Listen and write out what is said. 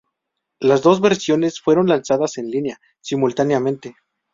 Las dos versiones fueron lanzadas en línea simultáneamente.